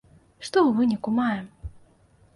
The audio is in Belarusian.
Што ў выніку маем?